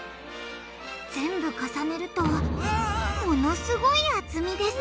全部重ねるとものすごい厚みです！